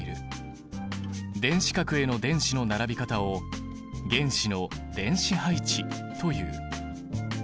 電子殻への電子の並び方を原子の電子配置という。